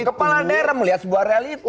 kepala daerah melihat sebuah realita